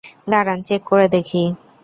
দাঁড়ান, চেক করে দেখি।